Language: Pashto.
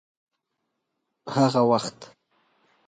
هغه وخت